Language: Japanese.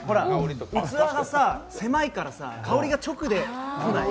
器が狭いからさ、香りが直でこない？